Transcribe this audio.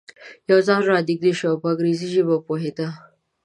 یو ځوان را نږدې شو او په انګریزي ژبه پوهېده.